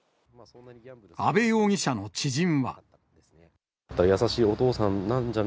阿部容疑者の知人は。